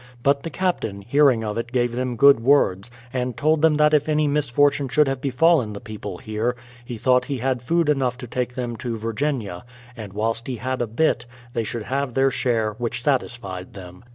But the captain, hearing of it gave them good words, and told them that if any misfortune should have befallen the people here, he thought he had food enough to take them to Virginia, and whilst he had a bit, they should have their share, which satisfied them.